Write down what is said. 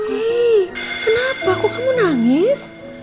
wih kenapa kok kamu nangis